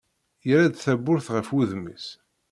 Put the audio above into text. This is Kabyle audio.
Yerra-d tawwurt ɣef wudem-is.